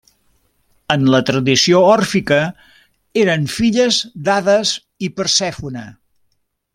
En la tradició òrfica, eren filles d'Hades i Persèfone.